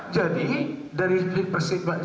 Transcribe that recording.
jadi dari persidangan